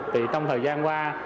trong thời gian qua